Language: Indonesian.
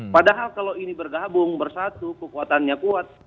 padahal kalau ini bergabung bersatu kekuatannya kuat